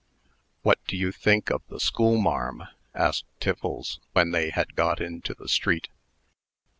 "What do you think of the schoolmarm?" asked Tiffles, when they had got into the street.